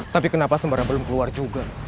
tapi kenapa sembarang belum keluar juga